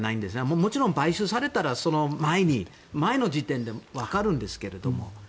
もちろん、買収されたらその前の時点で分かるんですけれども。